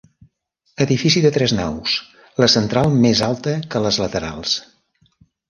Edifici de tres naus, la central més alta que les laterals.